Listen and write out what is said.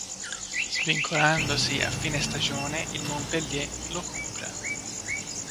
Svincolatosi a fine stagione, il Montpellier lo compra.